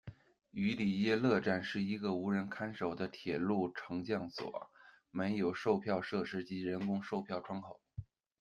于里耶勒站是一个无人看守的铁路乘降所，没有售票设施及人工售票窗口。